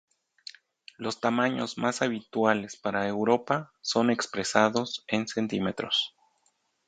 Los tamaños más habituales para Europa son expresados en centímetros.